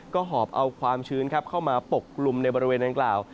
ก็หอบเอาความชื้นเข้ามาปกกลุ่มในบริเวณดังกล่าว